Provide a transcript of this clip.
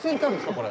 これ。